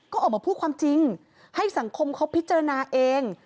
ก็ออกมาพูดความจริงให้สังคมเขาพิจารณาเอง